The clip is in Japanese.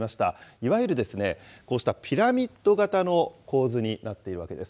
いわゆるこうしたピラミッド型の構図になっているわけです。